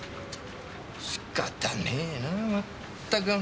仕方ねえなまったく。